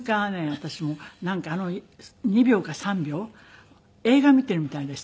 私なんかあの２秒か３秒映画見ているみたいでした。